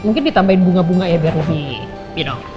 mungkin ditambahin bunga bunga ya biar lebih you know